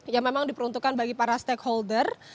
yang memang diperuntukkan bagi para stakeholder